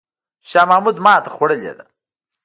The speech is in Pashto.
شاه محمود ماته خوړلې ده.